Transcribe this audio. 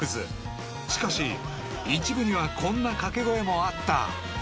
［しかし一部にはこんな掛け声もあった］